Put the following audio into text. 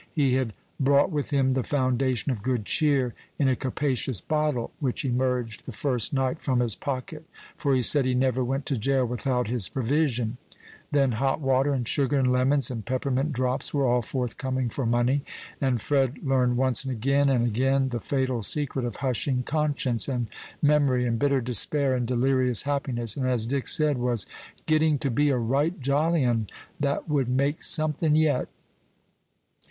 He had brought with him the foundation of good cheer in a capacious bottle which emerged the first night from his pocket, for he said he never went to jail without his provision; then hot water, and sugar, and lemons, and peppermint drops were all forthcoming for money, and Fred learned once and again, and again, the fatal secret of hushing conscience, and memory, and bitter despair in delirious happiness, and as Dick said, was "getting to be a right jolly 'un that would make something yet."